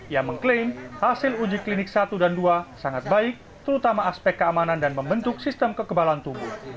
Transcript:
ia mengklaim hasil uji klinik satu dan dua sangat baik terutama aspek keamanan dan membentuk sistem kekebalan tubuh